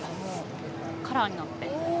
カラーになって。